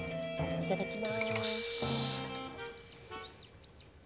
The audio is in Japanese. いただきます。